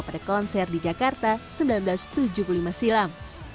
pada konser di jakarta seribu sembilan ratus tujuh puluh lima silam